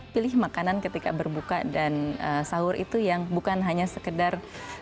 pilih makanan ketika berbuka dan sahur itu yang bukan hanya sekedar